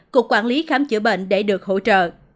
cục quản lý khám chữa bệnh để được hỗ trợ